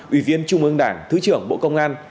ủy viên trung ương đảng thứ trưởng bộ công an